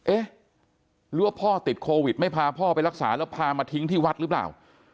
เอ๊ะหรือว่าพ่อติดโควิดไม่พาพ่อไปรักษาแล้วพามาทิ้งที่วัดหรือเปล่า